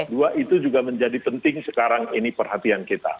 dua itu juga menjadi penting sekarang ini perhatian kita